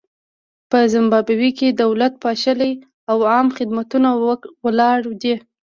په زیمبابوې کې دولت پاشلی او عامه خدمتونه ولاړ دي.